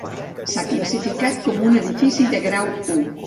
S'ha classificat com un edifici de grau u.